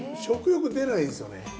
食欲出ないんですよね。